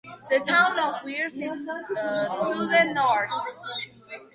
The town of Wirt is to the north.